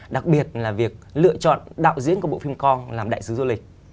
đặc biệt là việc lựa chọn đạo diễn của bộ phim con làm đại sứ du lịch